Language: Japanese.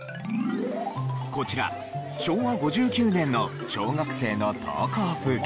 こちら昭和５９年の小学生の登校風景。